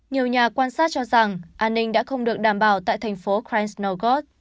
nhiều nhà quan sát cho rằng an ninh đã không được đảm bảo tại thành phố cransnogos